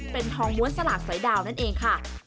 เป็นทองม้วนสลากสอยดาวนั่นเองค่ะ